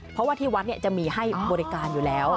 เพราะว่าที่วัดจะมีให้บริการอยู่แล้ว